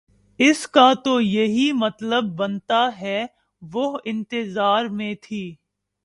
اس کا تو یہی مطلب بنتا ہے وہ انتظار میں تھی